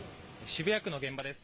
渋谷区の現場です。